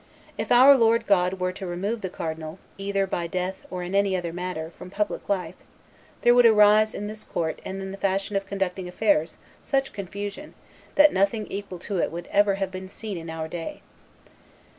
If our Lord God were to remove the cardinal, either by death or in any other manner, from public life, there would arise in this court and in the fashion of conducting affairs such confusion that nothing equal to it would ever have been seen in our day."